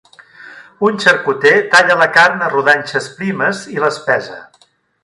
Un xarcuter talla la carn a rodanxes primes i les pesa.